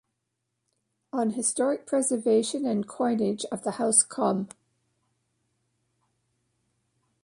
On Historic Preservation and Coinage of the House Comm.